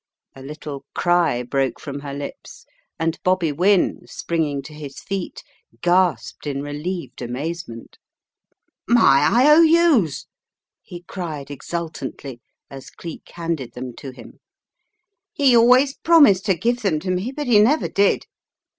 A little cry broke from her lips, and Bobby Wynne, springing to his feet, gasped in relieved amazement. "My I. O. ITs," he cried, exultantly, as Cleek handed them to him. "He always promised to give them to me, but he never did."